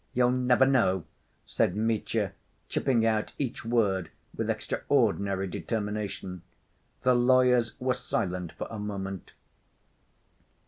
You'll never know," said Mitya, chipping out each word with extraordinary determination. The lawyers were silent for a moment.